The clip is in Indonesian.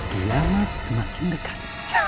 kiamat semakin dekat